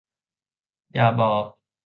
อย่าบอก